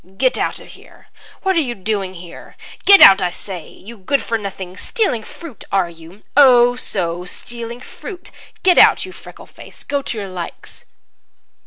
"Get out of here! What are you doing here? Get out, I say, you good for nothing! Stealing fruit, are you? Oh, so, stealing fruit! Get out, you freckle face, go to your likes!"